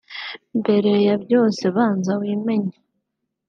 Mbere ya byose banza wimenye